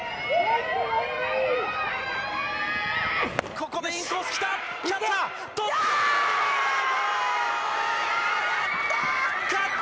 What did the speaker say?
ここでインコースきた。